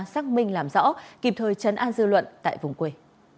xác minh làm rõ kịp thời chấn an dư luận tại vùng quê